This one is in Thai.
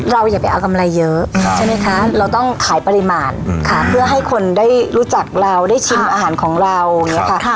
อย่าไปเอากำไรเยอะใช่ไหมคะเราต้องขายปริมาณค่ะเพื่อให้คนได้รู้จักเราได้ชิมอาหารของเราอย่างนี้ค่ะ